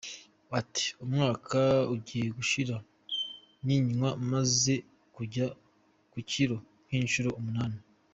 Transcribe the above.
Ati “Umwaka ugiye gushira nyinywa maze kujya ku kilo nk’ inshuro umunani”.